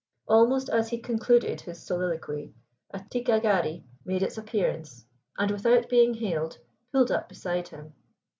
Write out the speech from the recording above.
Almost as he concluded his soliloquy a ticcagharri made its appearance, and, without being hailed, pulled up beside him.